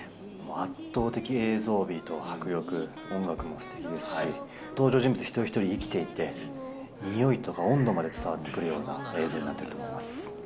圧倒的映像美と迫力、音楽もすてきですし、登場人物一人一人生きていて、においとか温度まで伝わってくるような映像になってると思います。